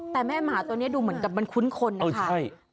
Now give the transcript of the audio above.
แต่แม่หมาตัวนี้ดูเหมือนกับมันคุ้นคนนะคะใช่